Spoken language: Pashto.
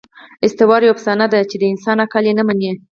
آسطوره یوه افسانه ده، چي د انسان عقل ئې نه مني.